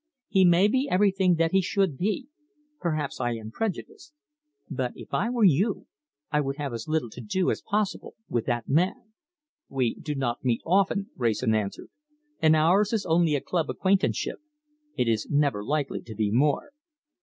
He may be everything that he should be. Perhaps I am prejudiced. But if I were you, I would have as little to do as possible with that man." "We do not often meet," Wrayson answered, "and ours is only a club acquaintanceship. It is never likely to be more."